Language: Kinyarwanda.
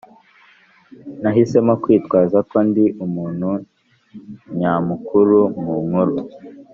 nahisemo kwitwaza ko ndi umuntu nyamukuru mu nkuru.